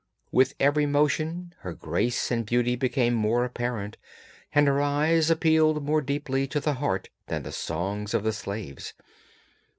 With every motion her grace and beauty became more apparent, and her eyes appealed more deeply to the heart than the songs of the slaves.